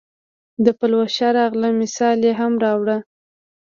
د پلوشه راغلل مثال یې هم راووړ.